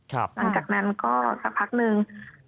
หลังจากนั้นก็สักพักนึง